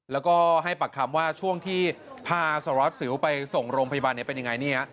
แล้วก็ให้ปากคำว่าช่วงที่พาสารวัสสิวไปส่งโรงพยาบาลเป็นยังไง